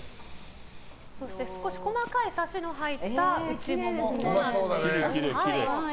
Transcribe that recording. そして少し細かいサシの入った内モモとなっております。